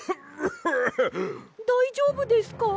だいじょうぶですか？